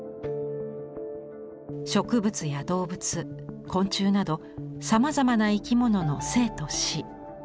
植物や動物昆虫などさまざまな生き物の生と死。